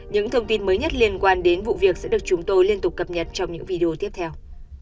những thông tin mới nhất liên quan đến vụ việc sẽ được chúng tôi liên tục cập nhật trong những video tiếp theo